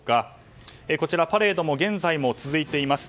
パレードは現在も続いています。